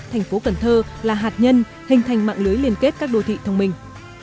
thành phố cần thơ là hạt nhân hình thành mạng lưới liên kết các đô thị thông minh